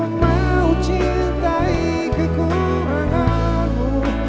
aku mau mencintai kekuranganmu